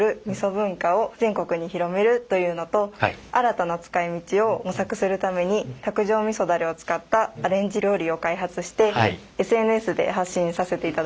というのと新たな使いみちを模索するために卓上みそダレを使ったアレンジ料理を開発してＳＮＳで発信させていただいております。